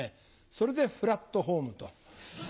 それでフラットホームと。